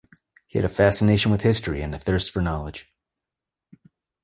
He had a fascination with history, and a thirst for knowledge.